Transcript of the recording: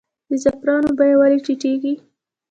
د زعفرانو بیه ولې ټیټیږي؟